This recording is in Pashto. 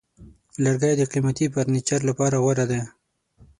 لرګی د قیمتي فرنیچر لپاره غوره دی.